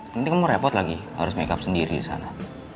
nanti kamu repot lagi harus makeup sendiri disana